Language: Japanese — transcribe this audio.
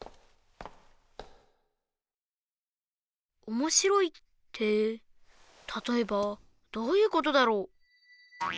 「おもしろい」ってたとえばどういうことだろう？